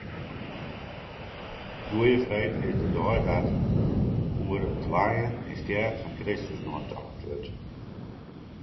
Goedfreed is de dei dat oer it lijen en stjerren fan Kristus neitocht wurdt.